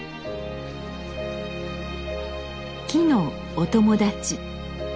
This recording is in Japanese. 木のお友達。